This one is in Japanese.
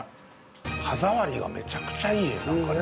歯触りがめちゃくちゃいいなんかね。